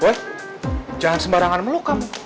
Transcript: woy jangan sembarangan melukam